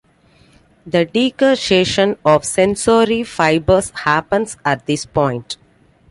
The decussation of sensory fibers happens at this point.